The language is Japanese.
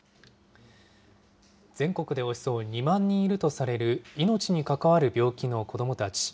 全国でおよそ２万人いるとされる命にかかわる病気の子どもたち。